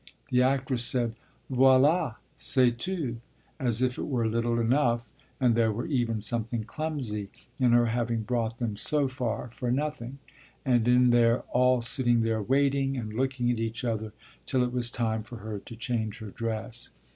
The actress said, "Voilà, c'est tout!" as if it were little enough and there were even something clumsy in her having brought them so far for nothing, and in their all sitting there waiting and looking at each other till it was time for her to change her dress.